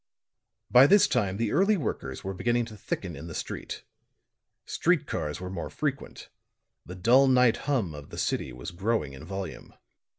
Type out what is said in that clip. By this time the early workers were beginning to thicken in the street; street cars were more frequent; the dull night hum of the city was growing in volume.